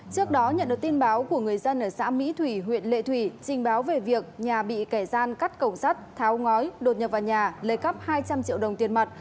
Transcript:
trước đó nhận được tin báo của người dân ở xã mỹ thủy huyện lệ thủy trình báo về việc nhà bị kẻ gian cắt cầu sắt tháo ngói đột nhập vào nhà lấy cắp hai trăm linh triệu đồng tiền mặt